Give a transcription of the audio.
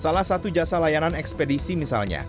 salah satu jasa layanan ekspedisi misalnya